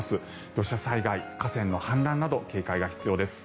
土砂災害、河川の氾濫など警戒が必要です。